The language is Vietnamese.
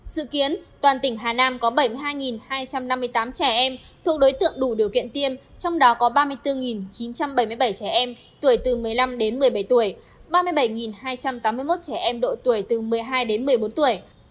dự kiến toàn tỉnh hà nam có bảy mươi hai hai trăm năm mươi tám trẻ em thuộc đối tượng đủ điều kiện tiêm trong đó có ba mươi bốn chín trăm bảy mươi bảy trẻ em tuổi từ một mươi năm đến một mươi bảy tuổi ba mươi bảy hai trăm tám mươi một trẻ em độ tuổi từ một mươi hai đến một mươi bốn tuổi